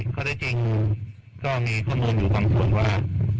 ข้อได้จริงก็มีข้อมูลอยู่บางส่วนว่า